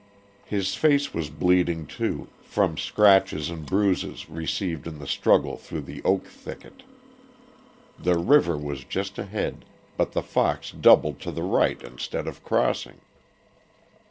His face was bleeding, too, from scratches and bruises received in the struggle through the oak thicket. The river was just ahead, but the fox doubled to the right instead of crossing.